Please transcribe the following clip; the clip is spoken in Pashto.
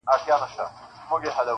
په کیسو ستړی کړې-